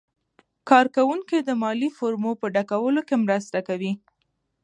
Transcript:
کارکوونکي د مالي فورمو په ډکولو کې مرسته کوي.